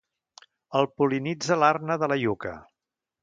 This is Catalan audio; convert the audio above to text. El pol·linitza l'arna de la iuca.